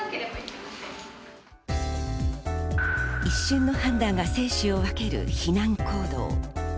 一瞬の判断が生死を分ける避難行動。